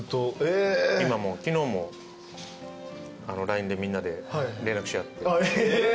今も昨日もＬＩＮＥでみんなで連絡し合って。